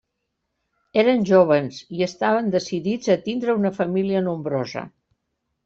Eren jóvens i estaven decidits a tindre una família nombrosa.